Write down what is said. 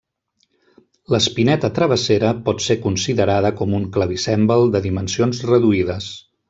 L'espineta travessera pot ser considerada com un clavicèmbal de dimensions reduïdes.